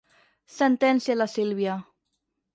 Sentencia la Sílvia—.